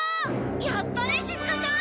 やったねしずかちゃん。